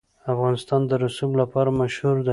افغانستان د رسوب لپاره مشهور دی.